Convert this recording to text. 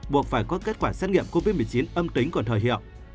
buộc phải có kết quả xét nghiệm covid một mươi chín âm tính còn thời hiệu